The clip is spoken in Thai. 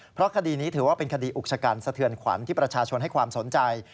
เพราะคดีนี้ถือว่าเป็นคดีอุกชะกันสะเทือนขวัญที่ประชาชนให้ความสนใจ